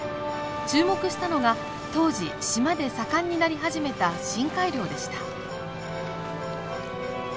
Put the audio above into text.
注目したのが当時島で盛んになり始めた深海漁でした。